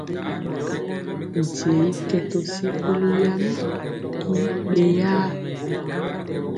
Nkye i kɛ to sikoli yam i ɓeyaa.